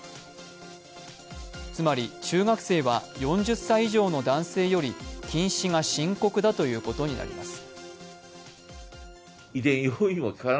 つまり、中学生は４０歳以上の男性より近視が深刻だということになります。